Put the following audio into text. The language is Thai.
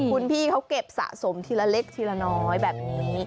คุณพี่เขาเก็บสะสมทีละเล็กทีละน้อยแบบนี้